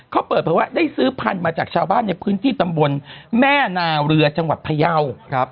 เขาเปิดเผยว่าได้ซื้อพันธุ์มาจากชาวบ้านในพื้นที่ตำบลแม่นาเรือจังหวัดพยาว